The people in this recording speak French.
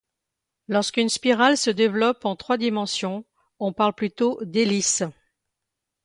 Lorsqu'une spirale se développe en trois dimensions, on parle plutôt d'hélice.